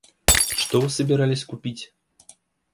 Что вы собирались купить?